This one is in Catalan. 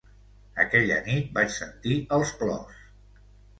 Aquella nit vaig sentir els plors.